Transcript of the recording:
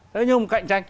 thế nhưng mà cạnh tranh